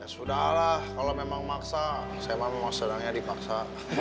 sudah lah kalau memang maksa saya memang sedangnya dipaksa